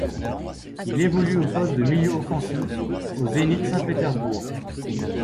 Il évolue au poste de milieu offensif au Zénith Saint-Pétersbourg.